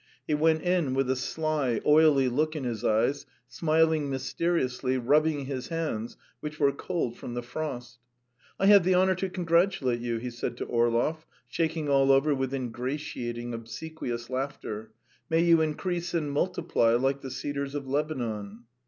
He went in with a sly, oily look in his eyes, smiling mysteriously, rubbing his hands, which were cold from the frost. "I have the honour to congratulate you," he said to Orlov, shaking all over with ingratiating, obsequious laughter. "May you increase and multiply like the cedars of Lebanon."